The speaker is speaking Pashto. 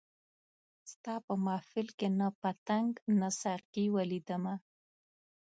ستا په محفل کي نه پتنګ نه ساقي ولیدمه